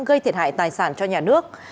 gây thiệt hại tài sản cho nhà nước